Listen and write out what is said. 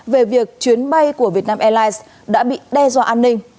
về việc chuyến bay của vietnam airlines đã bị đe dọa an ninh